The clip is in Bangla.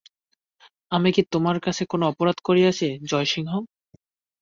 আমি কি তোমার কাছে কোনো অপরাধ করিয়াছি জয়সিংহ?